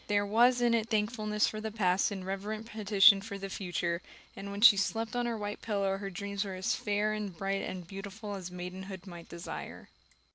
There was in it thankfulness for the past and reverent petition for the future; and when she slept on her white pillow her dreams were as fair and bright and beautiful as maidenhood might desire.